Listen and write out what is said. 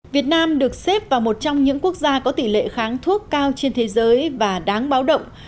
việt nam được xếp vào một trong những quốc gia có tỷ lệ kháng thuốc cao trên thế giới và đáng báo động